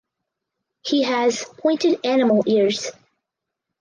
He has "pointed animal ears".